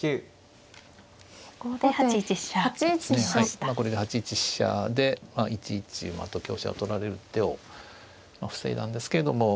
まあこれで８一飛車で１一馬と香車を取られる手を防いだんですけれども。